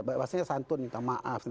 bahasanya santun maaf